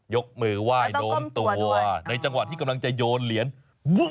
ยกมือไหว้โน้มตัวในจังหวะที่กำลังจะโยนเหรียญ